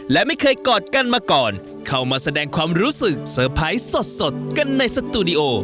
และไม่เคยกอดกันมาก่อนเข้ามาแสดงความรู้สึกเซอร์ไพรส์สดกันในสตูดิโอ